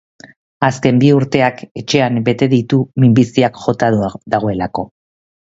Azken bi urteak etxean bete ditu, minbiziak jota dagoelako.